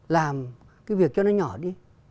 làm cái việc cho nó nhỏ đi